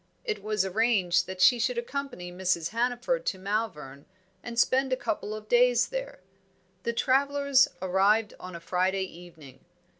It was arranged that she should accompany Mrs. Hannaford to Malvern, and spend a couple of days there. The travellers arrived on a Friday evening.